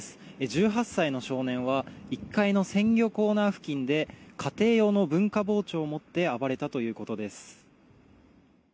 １８歳の少年は１階の鮮魚コーナー付近で家庭用の文化包丁を持って暴れたということです。